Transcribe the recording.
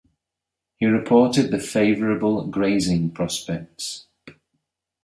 He reported the favourable grazing prospects.